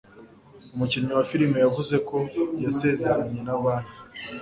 umukinnyi wa filime yavuze ko yasezeranye na banki